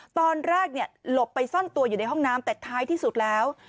ตอนแรกหลบไปซ่อนตัวอยู่ในห้องน้ำแต่ท้ายที่สุดแล้ว